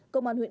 công an huyện